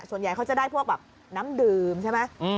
ส่วนใหญ่เขาจะได้พวกแบบน้ำดื่มใช่ไหม